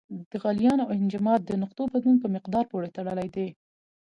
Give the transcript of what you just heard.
د غلیان او انجماد د نقطو بدلون په مقدار پورې تړلی دی.